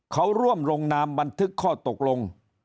เขาร่วมลงนามบันทึกข้อตกลง